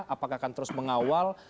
apakah akan terus mengawal